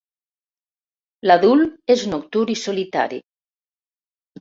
L'adult és nocturn i solitari.